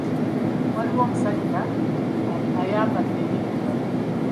Waliwo omusajja ayambadde biddugavu.